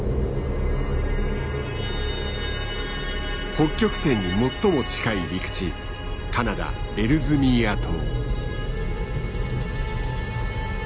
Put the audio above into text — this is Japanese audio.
北極点に最も近い陸地カナダエルズミーア島。